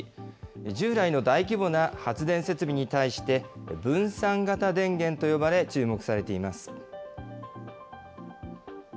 従来の大規模な発電設備に対して、分散型電源と呼ばれ、注目されています。